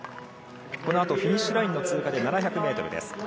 このあとフィニッシュラインの通過で７００ｍです。